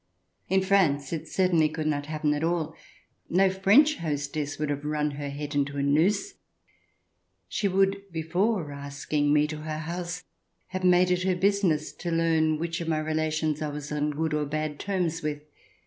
In France it certainly could not happen at all. No French hostess would have run her head into a noose ; she would, before asking me to her house, have made it her business to learn which of my relations I was on good or bad terms with.